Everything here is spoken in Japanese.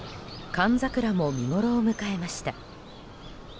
寒桜も見ごろを迎えました。